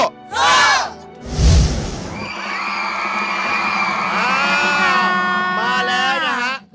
สวัสดีค่ะมาเลยนะฮะ